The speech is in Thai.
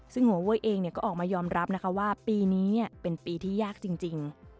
ซึ่งหัวเว้ยเองก็ออกมายอมรับนะคะว่าปีนี้เป็นปีที่ยากจริง